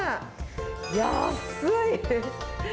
安い！